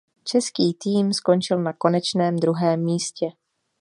Český tým skončil na konečném druhém místě.